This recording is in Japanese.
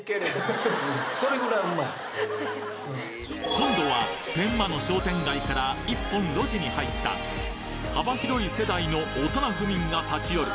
今度は天満の商店街から１本路地に入った幅広い世代のオトナ府民が立ち寄る